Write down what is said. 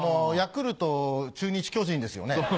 ヤクルト中日巨人ですよね？